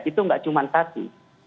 itu enggak cuma tati